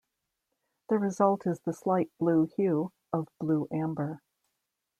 The result is the slight blue hue of blue amber.